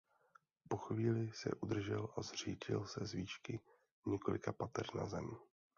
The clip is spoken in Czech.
Po chvíli se neudržel a zřítil se z výšky několika pater na zem.